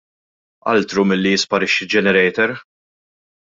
Altru milli jisparixxi generator!